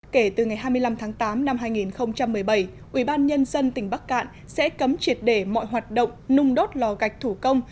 kể từ ngày hai mươi năm tháng tám năm hai nghìn một mươi bảy ubnd tỉnh bắc cạn sẽ cấm triệt để mọi hoạt động nung đốt lò gạch thủ công